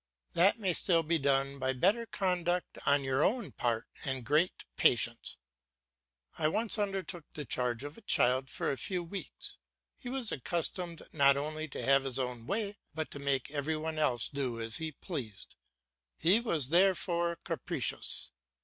That may still be done by better conduct on your own part and great patience. I once undertook the charge of a child for a few weeks; he was accustomed not only to have his own way, but to make every one else do as he pleased; he was therefore capricious.